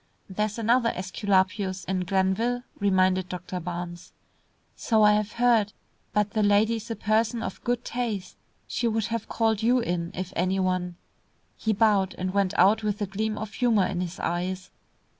"There is another Esculapius in Glenville," reminded Doctor Barnes. "So I have heard; but the lady is a person of good taste. She would have called you in if any one." He bowed and went out with a gleam of humour in his eyes.